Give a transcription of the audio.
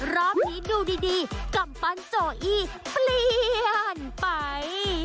รอบนี้ดูดีกำปันโจอิฟลียันไป